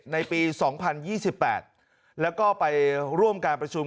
ในปีสองพันยี่สิบแปดแล้วก็ไปร่วมการประชุม